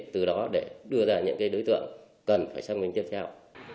từ đó để đưa ra những đối tượng cần phải xác minh tiếp theo